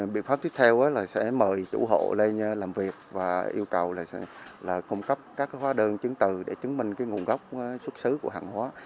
biện pháp tiếp theo là sẽ mời chủ hộ lên làm việc và yêu cầu là sẽ cung cấp các hóa đơn chứng từ để chứng minh nguồn gốc xuất xứ của hàng hóa